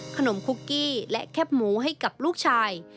คุกกี้และแคบหมูให้กับลูกชาย